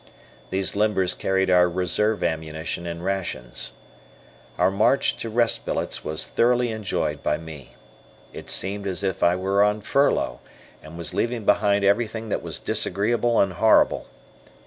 These limbers carried our reserve ammunition and rations. Our march to rest billets was thoroughly enjoyed by me. It seemed as if I were on furlough, and was leaving behind everything that was disagreeable and horrible.